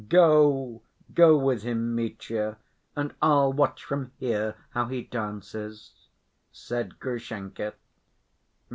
"Go, go with him, Mitya, and I'll watch from here how he dances," said Grushenka.